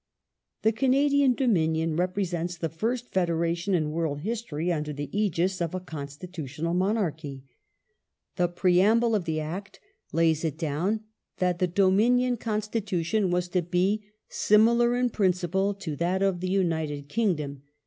The Canadian Dominion reprfesents the first Federation, in Features world history, under the aegis of a Constitutional Monarchy. The ^ian preamble of the Act lays it down that the Dominion Constitution federalism was to be " similar in principle to that of the United Kingdom